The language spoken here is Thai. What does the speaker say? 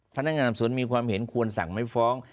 พนักงานสวนมีความเห็นควรสั่งไม่ฟ้อง